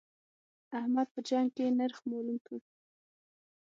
احمد په جنګ کې نرخ مالوم کړ.